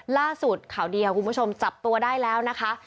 ล่าสุดข่าวดีของคุณผู้ชมจับตัวได้แล้วนะคะ